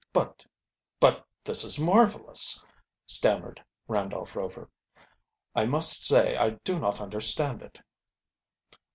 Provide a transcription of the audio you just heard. "But but this is marvelous," stammered Randolph Rover. "I must say I do not understand it."